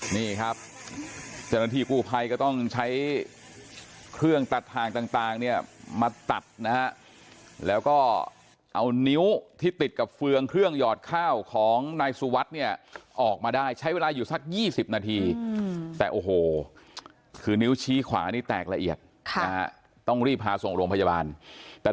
นี่ครับเจ้าหน้าที่กู้ภัยก็ต้องใช้เครื่องตัดทางต่างเนี่ยมาตัดนะฮะแล้วก็เอานิ้วที่ติดกับเฟืองเครื่องหยอดข้าวของนายสุวัสดิ์เนี่ยออกมาได้ใช้เวลาอยู่สัก๒๐นาทีแต่โอ้โหคือนิ้วชี้ขวานี่แตกละเอียดต้องรีบพาส่งโรงพยาบาลแต่